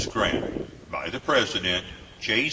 GRANT. By the President: J.